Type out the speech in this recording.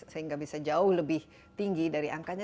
sehingga bisa jauh lebih tinggi dari angkanya